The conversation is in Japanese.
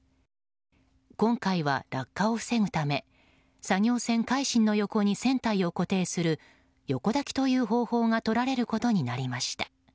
今回は落下を防ぐため作業船「海進」の横に船体を固定する横抱きという方法がとられることになりました。